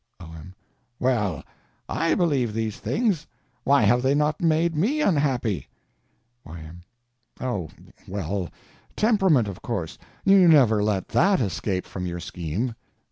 O.M. Well, I believe these things. Why have they not made me unhappy? Y.M. Oh, well—temperament, of course! You never let _that _escape from your scheme.